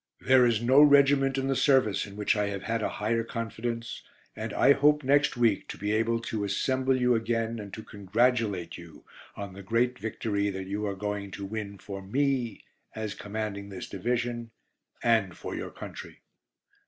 There is no regiment in the service in which I have had a higher confidence, and I hope next week to be able to assemble you again and to congratulate you on the great victory that you are going to win for me, as commanding this Division, and for your country."